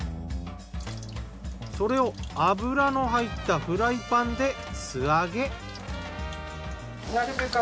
それを油の入ったフライパンで素揚げ。